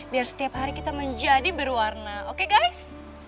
biar setiap hari kita menjadi berwarna oke guys